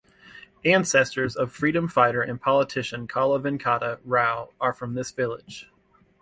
Ancestors of freedom fighter and politician Kala Venkata Rao are from this village.